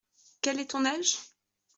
Quel est ton âge ?